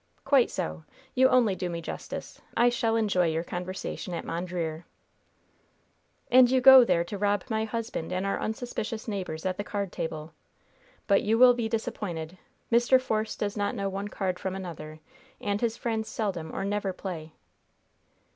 "Quite so. You only do me justice. I shall enjoy your conversation at Mondreer." "And you go there to rob my husband and our unsuspicious neighbors at the card table. But you will be disappointed. Mr. Force does not know one card from another, and his friends seldom or never play."